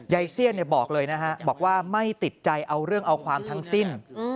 เสี้ยนบอกเลยนะฮะบอกว่าไม่ติดใจเอาเรื่องเอาความทั้งสิ้น